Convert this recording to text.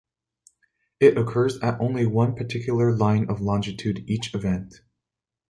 It occurs at only one particular line of longitude each event.